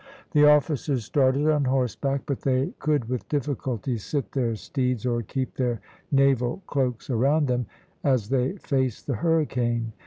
The officers started on horseback, but they could with difficulty sit their steeds or keep their naval cloaks around them as they faced the hurricane.